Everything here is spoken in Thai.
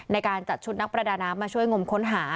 ในการจัดชุดนักประดาน้ำมาช่วยงมค้นหา